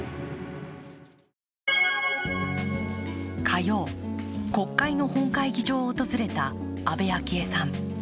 火曜、国会の本会議場を訪れた安倍昭恵さん。